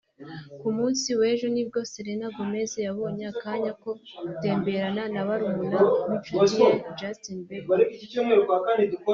Ku munsi w’ejo nibwo Selena Gomez yabonye akanya ko gutemberana na barumuna b’inshuti ye Justin Bieber